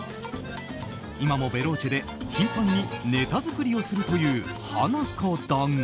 今もベローチェで頻繁にネタ作りをするというハナコだが。